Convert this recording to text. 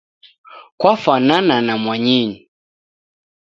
Kwafanana na mwanyinyu